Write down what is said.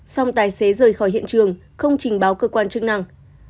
xong tài xế rời khỏi hiện trường không trình báo cơ quan chức năng